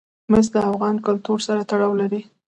مس د افغان کلتور سره تړاو لري.